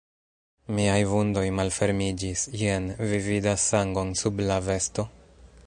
Miaj vundoj malfermiĝis: jen, vi vidas sangon sub la vesto?